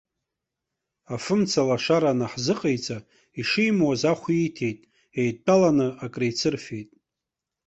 Афымцалашара анаҳзыҟаиҵа, ишимуаз, ахә ииҭеит, еидтәаланы акреицырфеит.